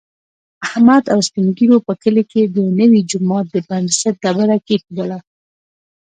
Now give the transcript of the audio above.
احمد او سپین ږېرو په کلي کې د نوي جوما د بنسټ ډبره کېښودله.